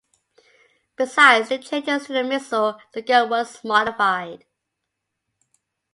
Besides the changes to the missile, the gun was modified.